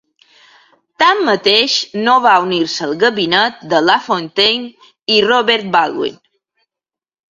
Tanmateix, no va unir-se al gabinet de Lafontaine i Robert Baldwin.